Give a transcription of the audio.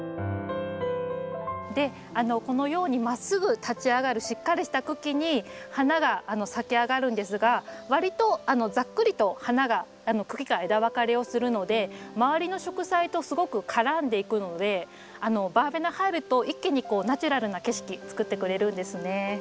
でこのようにまっすぐ立ち上がるしっかりした茎に花が咲き上がるんですがわりとざっくりと花が茎から枝分かれをするので周りの植栽とすごく絡んでいくのでバーベナ入ると一気にこうナチュラルな景色作ってくれるんですね。